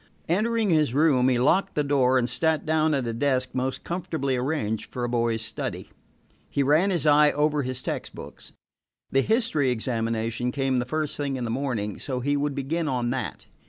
Entering his room, he locked the door and sat down at a desk most comfortably arranged for a boy's study. He ran his eye over his text books. The history examination came the first thing in the morning, so he would begin on that.